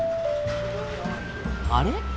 あれ？